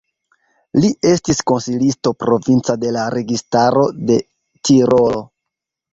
Li estis konsilisto provinca de la registaro de Tirolo.